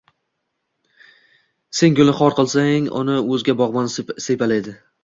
Sen gulni xor qilsang, uni o’zga bog’bon siypalaydi.